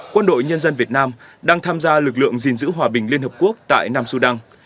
quân đội nhân dân việt nam đang tham gia lực lượng gìn giữ hòa bình liên hợp quốc tại nam sudan